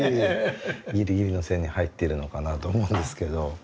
ギリギリの線に入っているのかなと思うんですけど。